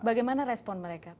bagaimana respon mereka